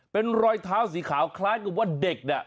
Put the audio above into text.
เป็นรอยเท้าสีขาวคล้ายขึ้นว่าเด็ก